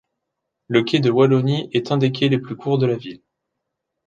Le quai de Wallonie est un des quais les plus courts de la ville.